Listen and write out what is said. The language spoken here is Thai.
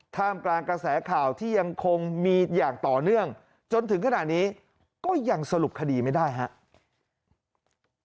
ท่ามกลางกระแสข่าวที่ยังคงมีอย่างต่อเนื่องจนถึงขณะนี้ก็ยังสรุปคดีไม่ได้ครับ